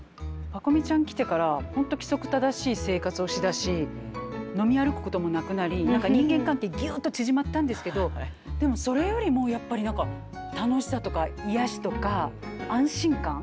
パコ美ちゃん来てから本当規則正しい生活をしだし飲み歩くこともなくなり何か人間関係ギュッと縮まったんですけどでもそれよりもやっぱり何か楽しさとか癒やしとか安心感。